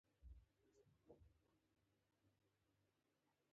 د چینجیانو لپاره د کومې میوې شیره وکاروم؟